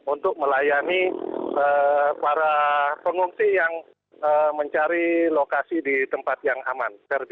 untuk melayani para pengungsi yang mencari lokasi di tempat yang aman